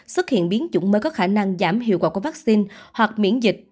xuất hiện biến chủng mới có khả năng giảm hiệu quả của vaccine hoặc miễn dịch